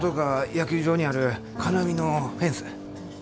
野球場にある金網のフェンス。